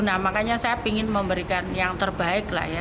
nah makanya saya ingin memberikan yang terbaik lah ya